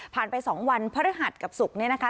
ผ่านไป๒วันพระรหัสกับศุกร์นี้นะคะ